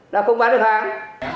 đã không bán được hàng